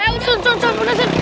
eh sun sun sun muda sun